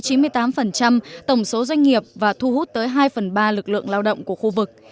các doanh nghiệp và thu hút tới hai phần ba lực lượng lao động của khu vực